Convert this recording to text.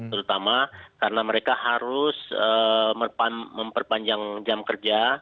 terutama karena mereka harus memperpanjang jam kerja